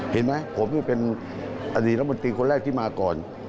เห็นไหมผมนี่เป็นอดีตรัฐมนตรีคนแรกที่มาก่อน